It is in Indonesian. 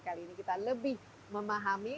kali ini kita lebih memahami